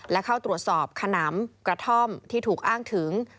และเข้าตรวจสอบขนำกระท่อมที่ถูกอ้างถึง